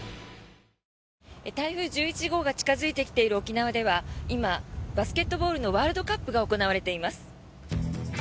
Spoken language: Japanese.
台風１１号が近付いてきている沖縄では今、バスケットボールのワールドカップが行われています。